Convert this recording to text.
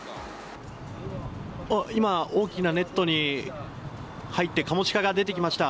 今、大きなネットに入ってカモシカが出てきました。